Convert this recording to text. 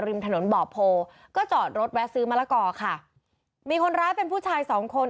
ริมถนนบ่อโพก็จอดรถแวะซื้อมะละกอค่ะมีคนร้ายเป็นผู้ชายสองคน